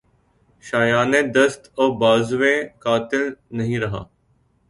شایانِ دست و بازوےٴ قاتل نہیں رہا